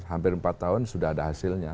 hampir empat tahun sudah ada hasilnya